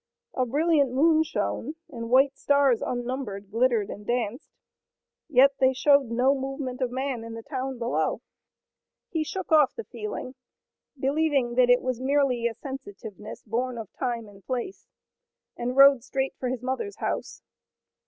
A brilliant moon shone, and white stars unnumbered glittered and danced, yet they showed no movement of man in the town below. He shook off the feeling, believing that it was merely a sensitiveness born of time and place, and rode straight for his mother's house.